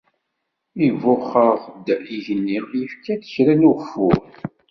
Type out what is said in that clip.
Ibuxx-aɣ-d yigenni, yefka-d kra n ugeffur.